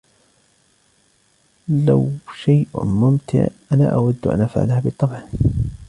لو شئ مُمتع, أنا أود أن أفعلهُ, بالطبع.